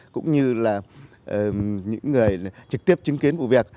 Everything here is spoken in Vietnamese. cũng như là những người